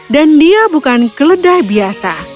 dan dia bukan keledai biasa